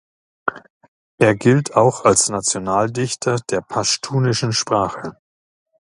Er gilt auch als Nationaldichter der paschtunischen Sprache.